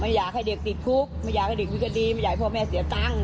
อยากให้เด็กติดคุกไม่อยากให้เด็กมีคดีไม่อยากให้พ่อแม่เสียตังค์